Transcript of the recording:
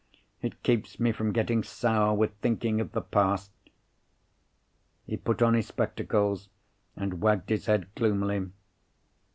it keeps me from getting sour with thinking of the past." He put on his spectacles, and wagged his head gloomily.